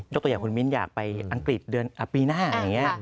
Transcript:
ตัวอย่างคุณมิ้นอยากไปอังกฤษเดือนปีหน้าอย่างนี้